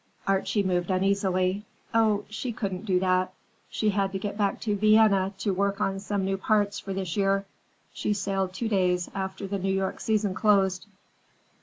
Archie moved uneasily. "Oh, she couldn't do that. She had to get back to Vienna to work on some new parts for this year. She sailed two days after the New York season closed."